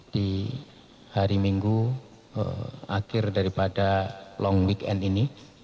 di hari minggu akhir daripada long listrik